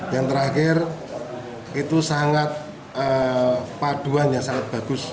yang terakhir itu sangat paduan yang sangat bagus